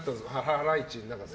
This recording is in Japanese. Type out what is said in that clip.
ハライチの中で。